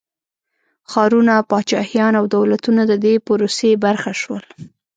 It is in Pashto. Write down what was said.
ښارونه، پاچاهيان او دولتونه د دې پروسې برخه شول.